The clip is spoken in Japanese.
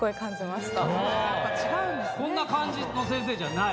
こんな感じの先生じゃない？